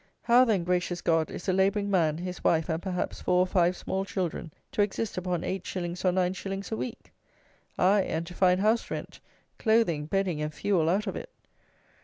How, then, gracious God! is a labouring man, his wife, and, perhaps, four or five small children, to exist upon 8_s._ or 9_s._ a week! Aye, and to find house rent, clothing, bedding and fuel out of it?